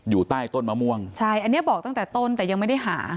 อยู่ใต้ต้นมะม่วงใช่อันนี้บอกตั้งแต่ต้นแต่ยังไม่ได้หา